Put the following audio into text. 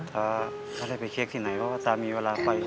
ตาไม่ได้ไปเช็คที่ไหนเพราะว่าตามีเวลาไป